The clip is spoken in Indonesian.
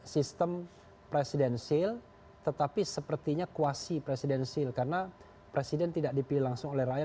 sistem presidensil tetapi sepertinya kuasi presidensil karena presiden tidak dipilih langsung oleh rakyat